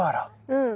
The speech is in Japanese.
うん。